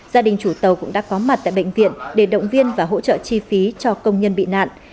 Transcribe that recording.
gia đình chủ tàu cũng đã có mặt tại bệnh viện để động viên và hỗ trợ chi phí cho công nhân bị nạn